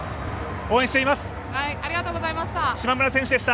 応援しています！